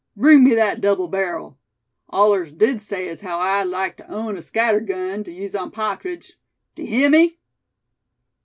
Bring me thet double barrel. Allers did say as haow I'd like tuh own a scattergun, tuh use on pa'tridge. D'ye hear me?"